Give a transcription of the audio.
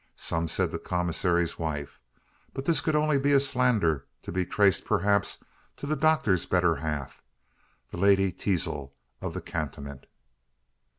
Some said the commissary's wife; but this could be only a slander, to be traced, perhaps, to the doctor's better half the Lady Teazle of the cantonment.